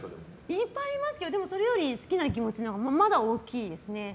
いっぱいありますけど好きな気持ちのほうがまだ大きいですね。